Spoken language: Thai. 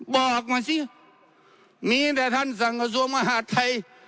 บอกมาสินี่แต่ท่านสังคสังคมมหาสไทย